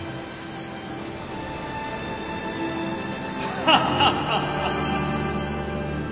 ハハハハハ！